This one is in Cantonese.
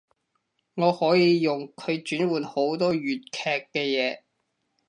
我可以用佢轉換好多粵劇嘅嘢